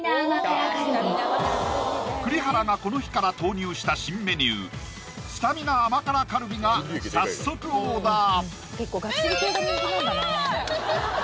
栗原がこの日から投入した新メニュースタミナ甘辛カルビが早速オーダー！